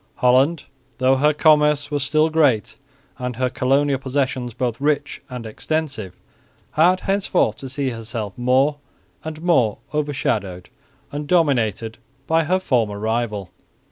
Holland, though her commerce was still great and her colonial possessions both rich and extensive, had henceforth to see herself more and more overshadowed and dominated by her former rival.